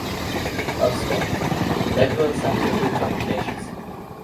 Oxford: Blackwell Scientific Publications.